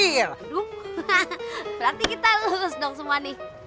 aduh berarti kita lulus dong semua nih